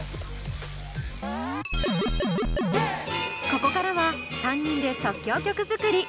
ここからは３人で即興曲作り。